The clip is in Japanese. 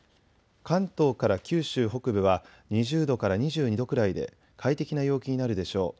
関東から九州北部は２０度から２２度くらいで快適な陽気になるでしょう。